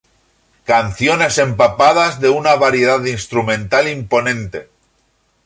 Canciones empapadas de una variedad instrumental imponente.